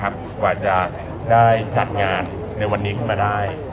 กว่าจะได้จัดงานในวันนี้ขึ้นมาได้